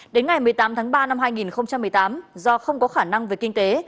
đến ngày một mươi tám tháng ba năm hai nghìn một mươi tám do không có khả năng về kinh tế